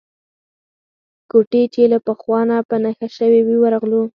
کوټې چې له پخوا نه په نښه شوې وې ورغلو.